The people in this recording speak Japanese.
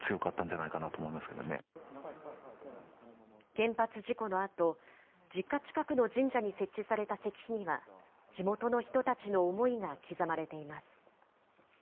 原発事故のあと、実家近くの神社に設置された石碑には、地元の人たちの思いが刻まれています。